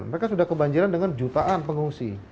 mereka sudah kebanjiran dengan jutaan pengungsi